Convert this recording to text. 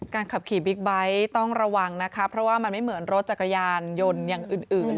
ขับขี่บิ๊กไบท์ต้องระวังนะคะเพราะว่ามันไม่เหมือนรถจักรยานยนต์อย่างอื่น